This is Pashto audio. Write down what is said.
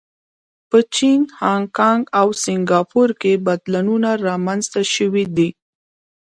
په چین، هانکانګ او سنګاپور کې بدلونونه رامنځته شوي دي.